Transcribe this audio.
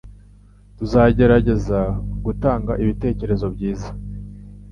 Tuzagerageza gutanga ibitekerezo byiza.